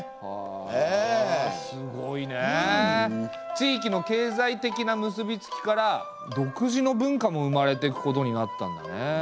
地域の経済的な結び付きから独自の文化も生まれていくことになったんだね！